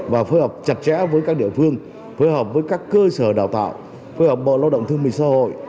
và phối hợp chặt chẽ với các địa phương phối hợp với các cơ sở đào tạo phối hợp bộ lao động thương minh xã hội